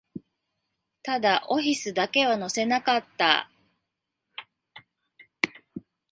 ただ、オフィスだけは乗せなかった